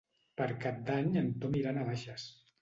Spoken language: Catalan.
Per Cap d'Any en Tom irà a Navaixes.